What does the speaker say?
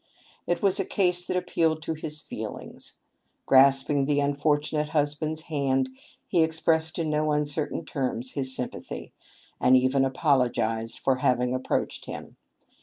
It was a case that appealed to his feelings. Grasping the unfortunate husband's hand, he expressed in no uncertain terms his sympathy, and even apologized for having approached him.